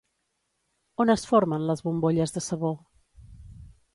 On es formen les bombolles de sabó?